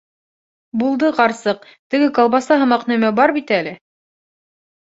— Булды, ҡарсыҡ, теге колбаса һымаҡ нәмә бар бит әле?